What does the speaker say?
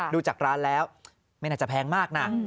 ดูจากร้านแล้วไม่น่าจะแพงมากนะ